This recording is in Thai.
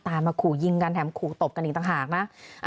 มาขู่ยิงกันแถมขู่ตบกันอีกต่างหากนะ